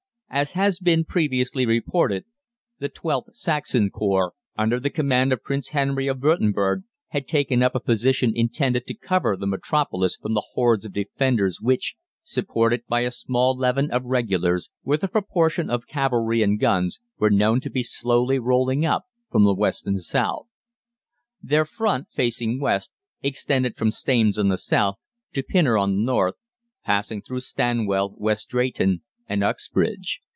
"As has been previously reported, the XIIth Saxon Corps, under the command of Prince Henry of Würtemberg, had taken up a position intended to cover the metropolis from the hordes of 'Defenders' which, supported by a small leaven of Regulars, with a proportion of cavalry and guns, were known to be slowly rolling up from the west and south. Their front, facing west, extended from Staines on the south, to Pinner on the north, passing through Stanwell, West Drayton, and Uxbridge.